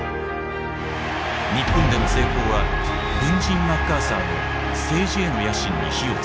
日本での成功は軍人マッカーサーの政治への野心に火をつける。